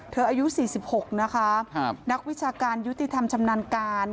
อายุ๔๖นะคะนักวิชาการยุติธรรมชำนาญการ